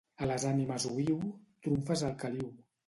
A les ànimes oïu, trumfes al caliu.